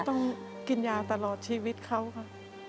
ต้องกินยาตลอดชีวิตเขาค่ะ